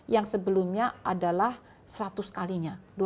yang sebelumnya adalah seratus kalinya